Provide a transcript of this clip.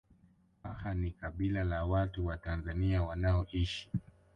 Waha ni kabila la watu wa Tanzania wanaoishi